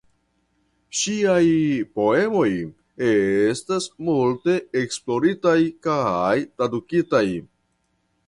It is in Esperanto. Ŝiaj poemoj estas multe esploritaj kaj tradukitaj.